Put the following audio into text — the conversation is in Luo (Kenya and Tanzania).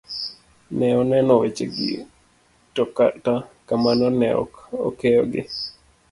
Ne oneno wechegi to kata kamano ne ok okeyo gi.